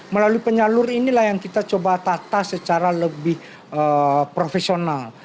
melalui penyalur inilah yang kita coba tata secara lebih profesional